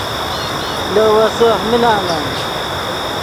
لے ویسہہ ملانن